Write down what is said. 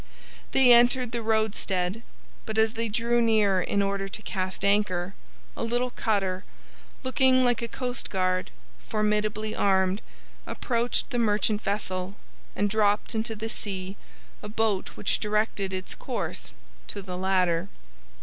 They entered the roadstead; but as they drew near in order to cast anchor, a little cutter, looking like a coastguard formidably armed, approached the merchant vessel and dropped into the sea a boat which directed its course to the ladder.